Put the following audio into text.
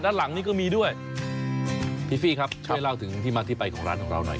ด้านหลังนี้ก็มีด้วยพี่ฟี่ครับช่วยเล่าถึงที่มาที่ไปของร้านของเราหน่อย